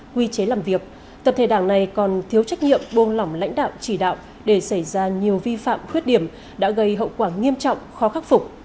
quy chế làm việc tập thể đảng này còn thiếu trách nhiệm buông lỏng lãnh đạo chỉ đạo để xảy ra nhiều vi phạm khuyết điểm đã gây hậu quả nghiêm trọng khó khắc phục